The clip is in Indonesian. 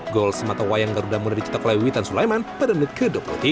gol sematawayang garuda muda dicetak oleh witan sulaiman pada menit ke dua puluh tiga